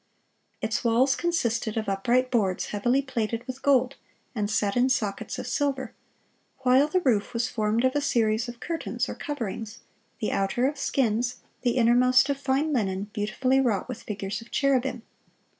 Its walls consisted of upright boards heavily plated with gold, and set in sockets of silver, while the roof was formed of a series of curtains, or coverings, the outer of skins, the innermost of fine linen beautifully wrought with figures of cherubim.